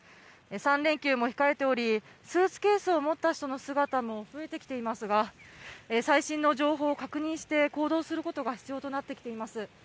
３連休も控えており、スーツケースを持った人の姿も増えてきていますが、最新の情報を確認して行動することが必要となってきています。